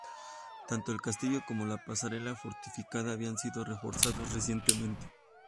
Tanto el castillo como la pasarela fortificada habían sido reforzados recientemente.